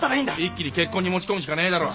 一気に結婚に持ち込むしかねえだろ。